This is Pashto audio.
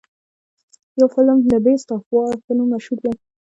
يو فلم The Beast of War په نوم مشهور دے.